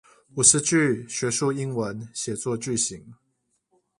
五十句學術英文寫作句型